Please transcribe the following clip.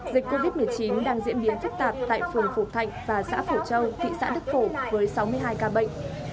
dịch covid một mươi chín đang diễn biến phức tạp tại phường phổ thạnh và xã phổ châu thị xã đức phổ với sáu mươi hai ca bệnh